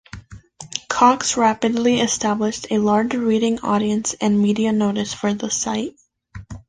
Cox rapidly established a large reading audience and media notice for the site.